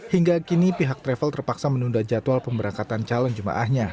hingga kini pihak travel terpaksa menunda jadwal pemberangkatan calon jemaahnya